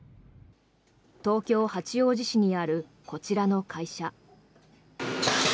東京・八王子市にあるこちらの会社。